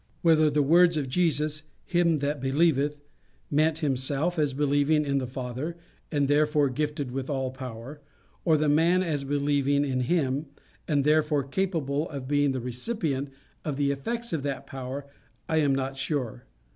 Whether the words of Jesus, "him that believeth," meant himself as believing in the Father, and therefore gifted with all power, or the man as believing in him, and therefore capable of being the recipient of the effects of that power, I am not sure.